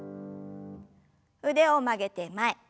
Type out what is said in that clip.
腕を曲げて前。